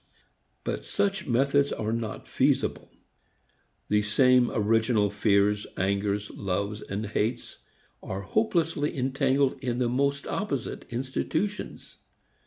But such methods are not feasible. The same original fears, angers, loves and hates are hopelessly entangled in the most opposite institutions.